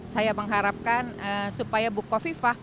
saya mengharapkan supaya buku